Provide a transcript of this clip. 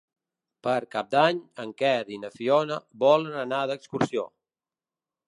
Per Cap d'Any en Quer i na Fiona volen anar d'excursió.